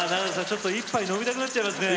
ちょっと一杯飲みたくなっちゃいますね。